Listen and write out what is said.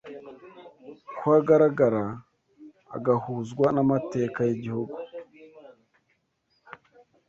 kuhagaragara agahuzwa n’amateka y’igihugu.”